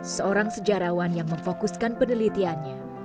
seorang sejarawan yang memfokuskan penelitiannya